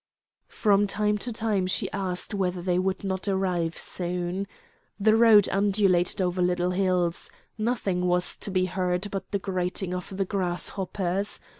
From time to time she asked whether they would not arrive soon. The road undulated over little hills. Nothing was to be heard but the grating of the grasshoppers.